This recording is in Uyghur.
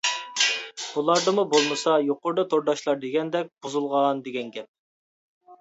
بۇلاردىمۇ بولمىسا يۇقىرىدا تورداشلار دېگەندەك بۇزۇلغان دېگەن دېگەن گەپ.